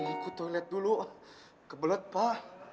ngikut toilet dulu kebelet pak